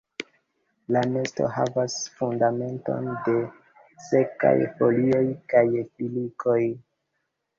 La nesto havas fundamenton de sekaj folioj kaj filikoj.